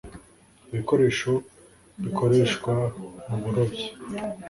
Ibikoresho bikoreshwa mu burobyi